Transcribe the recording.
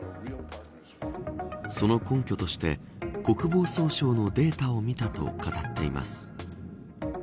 その根拠として国防総省のデータを見たと語っています。